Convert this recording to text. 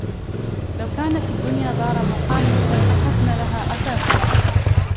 لَوْ كَانَتْ الدُّنْيَا دَارَ مُقَامٍ لَاِتَّخَذْنَا لَهَا أَثَاثًا